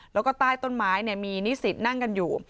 แล้วก็ใต้ต้นไม้เนี่ยมีนิสิทธิ์นั่งกันอยู่